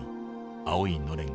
青いのれん